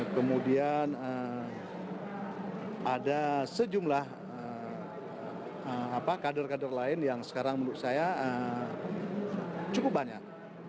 kemudian ada sejumlah kader kader lain yang sekarang menurut saya cukup banyak